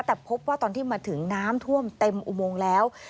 แต่พบว่าตอนที่มาถึงน้ำท่วมเต็มอุโมงแล้ว